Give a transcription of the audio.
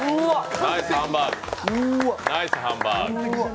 ナイスハンバーグ。